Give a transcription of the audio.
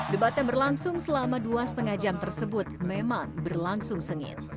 debatnya berlangsung selama dua lima jam tersebut memang berlangsung sengit